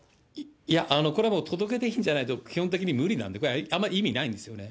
いや、これ届出印じゃないと、基本的に無理なんで、あまり意味ないんですよね。